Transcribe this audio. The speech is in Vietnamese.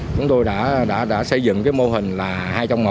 chúng tôi đã xây dựng cái mô hình là hai trong một